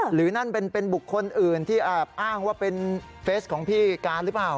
นั่นเป็นบุคคลอื่นที่แอบอ้างว่าเป็นเฟสของพี่การหรือเปล่า